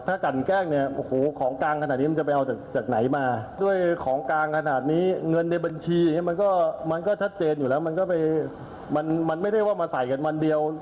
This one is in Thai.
บางทีอย่างนี้มันก็ชัดเจนอยู่แล้วมันไม่ได้ว่ามาใส่กันมันเดียว